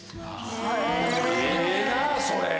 ええなぁそれ。